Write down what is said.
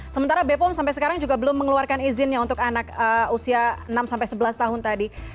sementara bepom sampai sekarang juga belum mengeluarkan izinnya untuk anak usia enam sampai sebelas tahun tadi